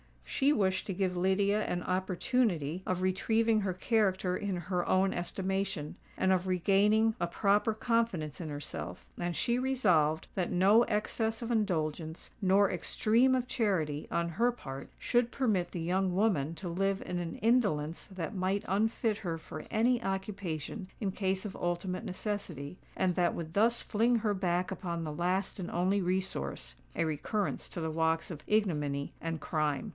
She wished to give Lydia an opportunity of retrieving her character in her own estimation, and of regaining a proper confidence in herself; and she resolved that no excess of indulgence, nor extreme of charity, on her part, should permit the young woman to live in an indolence that might unfit her for any occupation in case of ultimate necessity, and that would thus fling her back upon the last and only resource—a recurrence to the walks of ignominy and crime.